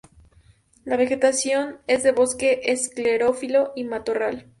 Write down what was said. La vegetación es de bosque esclerófilo y matorral.